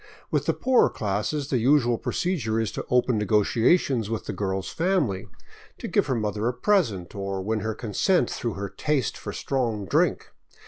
With the poorer classes the usual procedure is to open negotiations with the girl's family, to give her mother a present, or win her consent through her taste for strong drink.